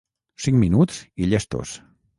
Cinc minuts i llestos.